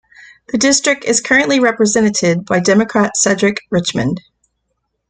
The district is currently represented by Democrat Cedric Richmond.